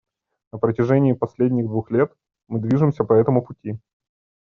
На протяжении последних двух лет мы движемся по этому пути.